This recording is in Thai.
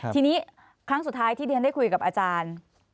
ทีนี้ครั้งสุดท้ายที่เรียนได้คุยกับอาจารย์